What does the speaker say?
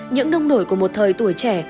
những nông nổi của một thời tuổi trẻ